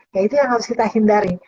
ya itu yang harus kita hindari